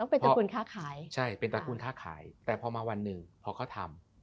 เป็นตระกูลค้าขายใช่เป็นตระกูลค้าขายแต่พอมาวันหนึ่งพอเขาทำ